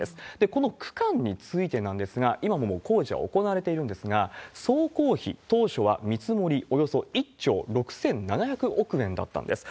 この区間についてなんですが、今ももう工事は行われているんですが、総工費、当初は見積もりおよそ１兆６７００億円だったんです。